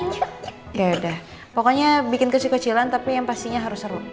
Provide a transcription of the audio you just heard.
yaudah pokoknya bikin kesih kecilan tapi yang pastinya harus seru